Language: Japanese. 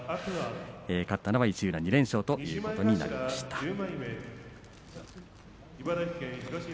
勝ったのは石浦２連勝ということになりました。